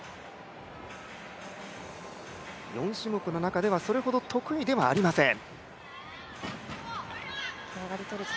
４種目の中ではそれほど得意ではありません。